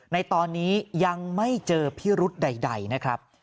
ในตอนนี้ยังไม่เจอพิรุธใดนะครับ